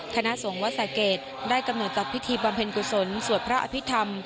คณะสงฆ์วัดศักดิ์ราชกิจได้กำหนดจากพิธีบำเพ็ญกุศลสวดพระอภิกษ์ธรรม